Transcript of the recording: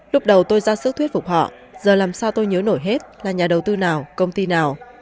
lúc đầu tôi ra sức thuyết phục họ giờ làm sao tôi nhớ nổi hết là nhà đầu tư nào công ty nào